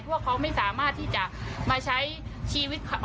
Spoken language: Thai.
ว่าเขาไม่สามารถที่จะมาใช้ชีวิต